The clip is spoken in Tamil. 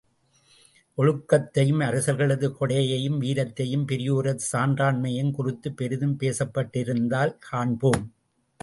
ஒழுக்கத்தையும், அரசர்களது கொடையையும், வீரத்தையும், பெரியோரது சான்றாண்மையையும் குறித்துப் பெரிதும் பேசப்பட்டிருத்தல் காண்போம்.